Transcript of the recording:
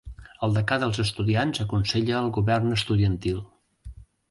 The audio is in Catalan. El decà dels estudiants aconsella al govern estudiantil.